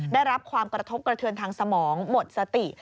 ได้รับความกระทบกระเทือนทางสมองหมดสติ